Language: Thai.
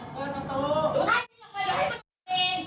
อย่าให้มันเดินเข้ามาอย่างนี้